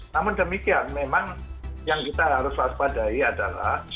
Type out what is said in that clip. namun demikian memang yang kita harus waspadai adalah